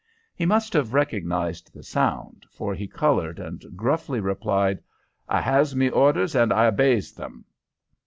He must have recognized the sound, for he colored and gruffly replied, "I has me orders, and I obeys 'em."